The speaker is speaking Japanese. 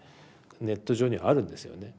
ネット上にあるんですよね